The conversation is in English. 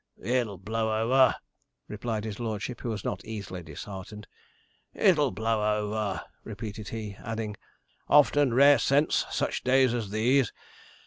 'It'll blow over,' replied his lordship, who was not easily disheartened. 'It'll blow over,' repeated he, adding, 'often rare scents such days as these.